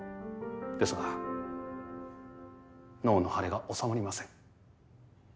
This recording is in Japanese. ですが脳の腫れが治まりません。